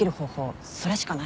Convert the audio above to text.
それしかないから。